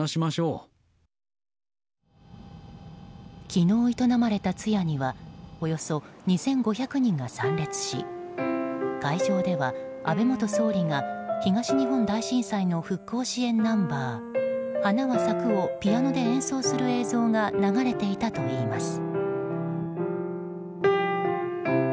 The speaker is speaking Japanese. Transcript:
昨日、営まれた通夜にはおよそ２５００人が参列し会場では安倍元総理が東日本大震災の復興支援ナンバー「花は咲く」をピアノで演奏する映像が流れていたといいます。